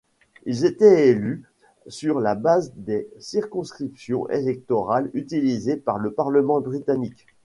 Ils étaient élus sur la base des circonscriptions électorales utilisées pour le Parlement britannique.